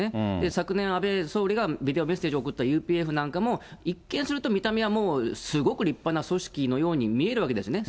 昨年、安倍総理がビデオメッセージを送ったＵＰＦなんかも一見すると、見た目はもうすごく立派な組織のように見えるわけですよね。